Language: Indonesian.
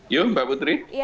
ya mbak putri